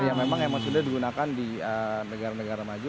ya memang sudah digunakan di negara negara maju